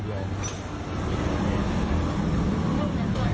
โอ้โหร้อนแล้วตรงเส้นสำเพ็งเลยครับผม